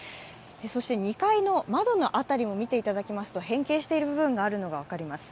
そして、２階の窓の辺りも変形している部分があるのが分かります。